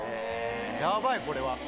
やばい、これは。